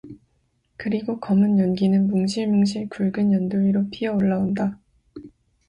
그리고 검은 연기는 뭉실뭉실 굵은 연돌 위로 피어 올라온다.